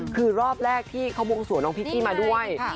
คือรอบแรกที่เขาวงสวนน้องพิกกี้มาด้วย